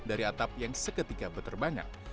dari atap yang seketika berterbangan